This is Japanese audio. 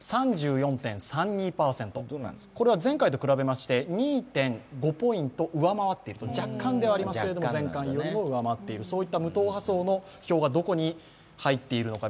３４．３２％、前回と比べまして２．５ポイント上回っている、若干ではありますけれども前回より上回っているそういった無党派層の票がどこに入っているのか。